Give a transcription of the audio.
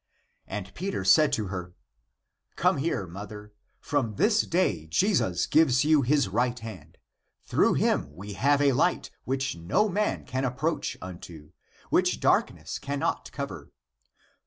And Peter said to her, " Come here, mother; from this day Jesus gives you his right hand; through him we have a light which no man can approach unto, which darkness cannot cover.